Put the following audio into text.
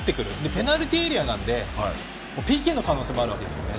ペナルティーエリアなのでＰＫの可能性もあるんですね。